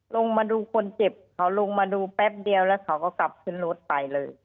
ลงมาดูคนเจ็บเขาลงมาดูแป๊บเดียวแล้วเขาก็กลับขึ้นรถไปเลย